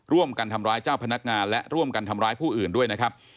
ร่วมกันทำร้ายเจ้าพนักงานและร่วมกันทำร้ายผู้อื่นด้วยนะครับ